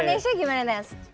kalau nesya gimana nes